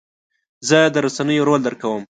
زه د رسنیو رول درک کوم.